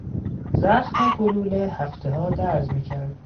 زخم گلوله هفتهها درد میکرد.